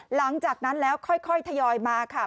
หลังจากนั้นแล้วค่อยทยอยมาค่ะ